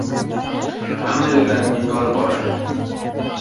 • Hamma yo‘llar Rimga olib boradi.